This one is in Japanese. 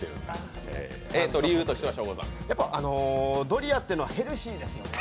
ドリアっていうのはヘルシーですよね。